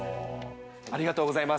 ありがとうございます。